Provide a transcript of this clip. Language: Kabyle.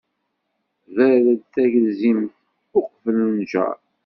Berred tagelzimt, uqbel nnjeṛ.